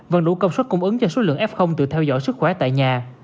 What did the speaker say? vẫn đủ công suất cung ứng cho số lượng f từ theo dõi sức khỏe tại nhà